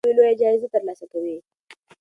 هغه څوک چې علم خپروي لویه جایزه ترلاسه کوي.